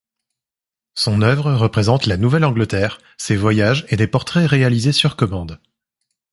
Son œuvre représente la Nouvelle-Angleterre, ses voyages et des portraits réalisés sur commande.